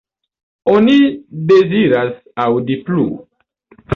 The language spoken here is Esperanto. Oni deziras aŭdi plu.